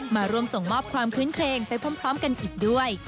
มาร่วมส่งมอบความคื้นเครงไปพร้อมกันอีกด้วย